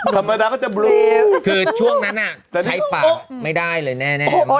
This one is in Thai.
ธรรมดาก็จะบลูคือช่วงนั้นจะใช้ปากไม่ได้เลยแน่